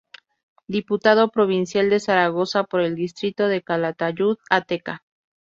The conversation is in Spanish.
Diputado Provincial de Zaragoza por el distrito de Calatayud-Ateca.